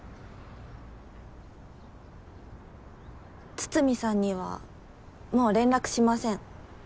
筒見さんにはもう連絡しません。